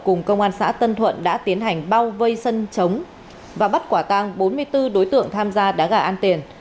cùng công an xã tân thuận đã tiến hành bao vây sân chống và bắt quả tăng bốn mươi bốn đối tượng tham gia đá gà ăn tiền